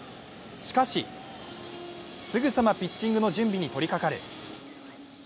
しかしすぐさまピッチングの準備に取りかかる。